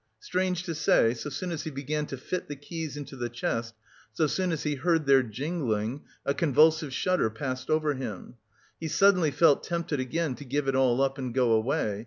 Strange to say, so soon as he began to fit the keys into the chest, so soon as he heard their jingling, a convulsive shudder passed over him. He suddenly felt tempted again to give it all up and go away.